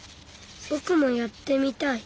ぼくもやってみたい。